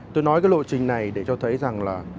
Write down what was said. tôi nói cái lộ trình này để cho thấy rằng là